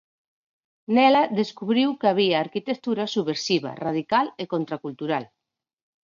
Nela descubriu que había arquitectura subversiva, radical e contracultural.